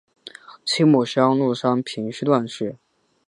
其母是安禄山平妻段氏。